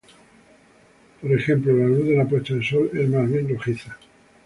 Por ejemplo, la luz de la puesta de sol es más bien rojiza.